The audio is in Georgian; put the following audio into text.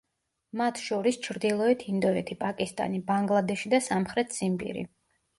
მათ შორის ჩრდილოეთ ინდოეთი, პაკისტანი, ბანგლადეში და სამხრეთ ციმბირი.